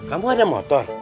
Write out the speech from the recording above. kamu ada motor